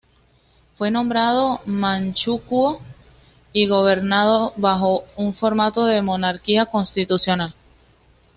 Fue nombrado Manchukuo y gobernado bajo un formato de monarquía constitucional.